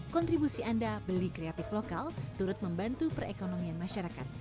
kontribusi anda beli kreatif lokal turut membantu perekonomian masyarakat